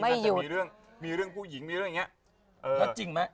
มันจะมีเรื่องผู้หญิงมีเรื่องอย่างเงี้ย